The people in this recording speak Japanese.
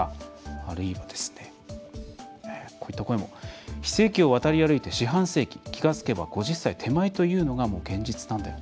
あるいは「非正規をわたり歩いて四半世紀、気がつけば５０歳手前というのがもう現実なんだよ。